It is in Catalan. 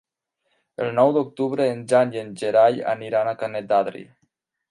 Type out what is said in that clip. El nou d'octubre en Jan i en Gerai aniran a Canet d'Adri.